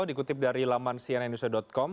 dikutip dari laman cnnindonesia com